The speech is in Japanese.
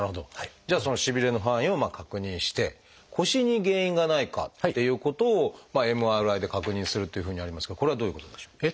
じゃあそのしびれの範囲を確認して腰に原因がないかっていうことをＭＲＩで確認するというふうにありますがこれはどういうことでしょう？